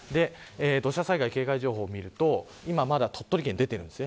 土砂災害警戒情報を見ると鳥取県にもまだ出ています。